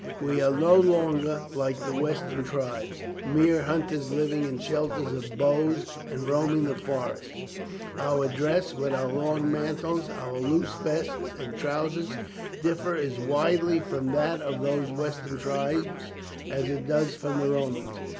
We are no longer, like the western tribes, mere hunters living in shelters of boughs and roaming the forests. Our dress, with our long mantles, our loose vests and trousers, differs as widely from that of these western tribes as it does from the Romans.